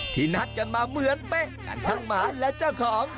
นัดกันมาเหมือนเป๊ะทั้งหมาและเจ้าของ